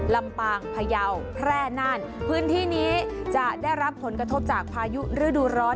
ลำปางพยาวแพร่น่านพื้นที่นี้จะได้รับผลกระทบจากพายุฤดูร้อน